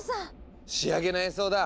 仕上げの演奏だ！